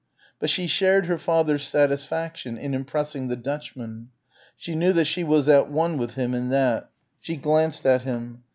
But she shared her father's satisfaction in impressing the Dutchman. She knew that she was at one with him in that. She glanced at him.